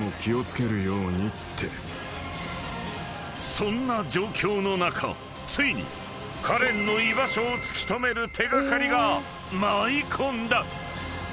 ［そんな状況の中ついにカレンの居場所を突き止める手掛かりが舞い込んだ］